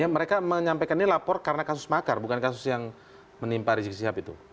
mereka menyampaikan ini lapor karena kasus makar bukan kasus yang menimpa rizik sihab itu